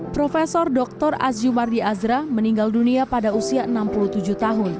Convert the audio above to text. prof dr aziumardi azra meninggal dunia pada usia enam puluh tujuh tahun